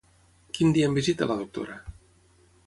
Quin dia em visita la doctora?